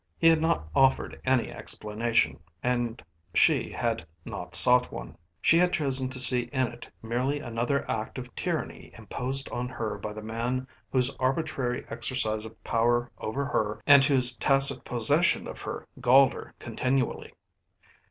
He had not offered any explanation, and she had not sought one. She had chosen to see in it merely another act of tyranny imposed on her by the man whose arbitrary exercise of power over her and whose tacit possession of her galled her continually.